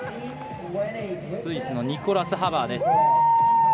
スイスのニコラス・ハバーです。